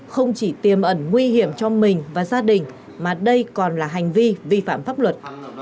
không chỉ tiềm ẩn nguy hiểm cho mình và gia đình mà đây còn là hành vi vi phạm pháp luật